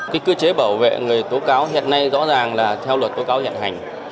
cái cơ chế bảo vệ người tố cáo hiện nay rõ ràng là theo luật tố cáo hiện hành